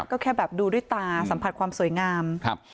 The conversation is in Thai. ก็แค่แบบดูด้วยตาสัมผัสความสวยงามครับ